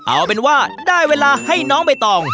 เอาเป็นว่าได้เวลาให้น้องใบตอง